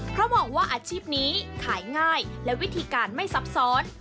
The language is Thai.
เพราะมองว่าอาชีพนี้ขายง่ายและวิธีการไม่ซับซ้อน